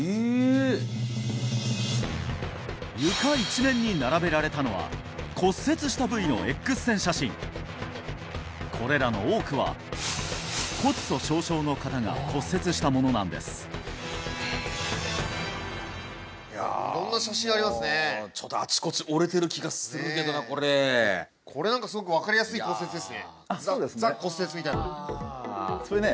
床一面に並べられたのは骨折した部位のこれらの多くは骨粗しょう症の方が骨折したものなんです色んな写真ありますねちょっとあちこち折れてる気がするけどなこれこれなんかすごくそうですねザ・骨折みたいなそれね